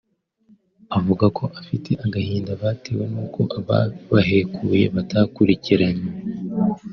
avuga ko bafite agahinda batewe n’uko ababahekuye batakurikiranywe